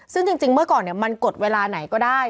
ซึ่งจริงเมื่อก่อนมันกดเวลาไหนก็ได้